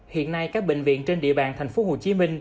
hiện nay các bệnh viện trên địa bàn tp hcm